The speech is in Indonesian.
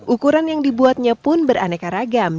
ukuran yang dibuatnya pun beraneka ragam